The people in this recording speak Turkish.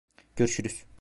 Görüşürüz.